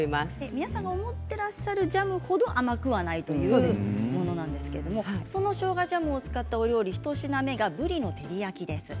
皆さんが思っていらっしゃるジャム程甘くはないということなんですがこのジャムを使ったお料理１つ目が、ぶりの照り焼きです。